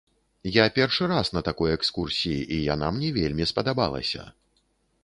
Я першы раз на такой экскурсіі, і яна мне вельмі спадабалася.